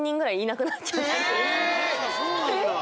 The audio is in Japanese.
え⁉そうなんだ！